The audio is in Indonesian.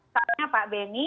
katanya pak benny